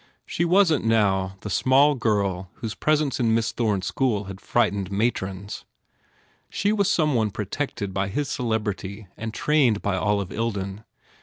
She wasn t, now, the small girl whose presence in Miss Thome s school had frightened matrons. She was some one pro tected by his celebrity and trained by Olive Ilden.